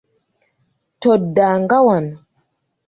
Toddanga wano.